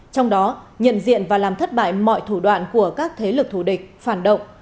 trong đó nhận diện và làm thất bại mọi thủ đoạn của các thế lực thù địch phản động